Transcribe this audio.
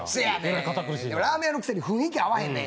ラーメン屋のくせに雰囲気合わへんねん。